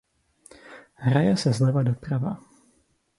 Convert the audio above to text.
Hraje se zleva doprava.